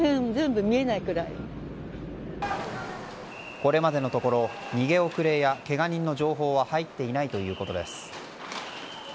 これまでのところ逃げ遅れやケガ人の情報は入っていないということです。